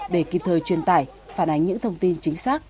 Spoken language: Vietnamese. để kịp thời truyền tải phản ánh những thông tin chính xác